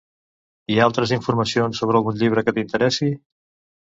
I altres informacions sobre algun llibre que t'interessi?